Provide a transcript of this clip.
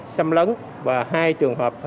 xâm lấn và hai trường hợp